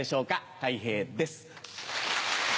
たい平です。